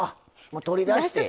もう取り出して？